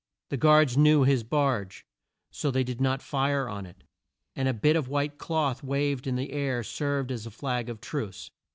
The guards knew his barge, so they did not fire on it, and a bit of white cloth waved in the air served as a flag of truce.